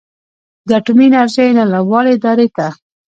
د اټومي انرژۍ نړیوالې ادارې ته